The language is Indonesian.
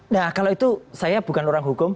nah kalau itu saya bukan orang hukum